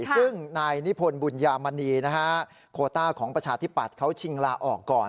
ซึ่งนายนิพนธ์บุญยามณีโคต้าของประชาธิปัตย์เขาชิงลาออกก่อน